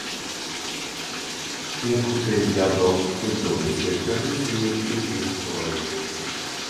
Я б хутчэй звязваў з культурніцкай традыцыяй і з гісторыяй.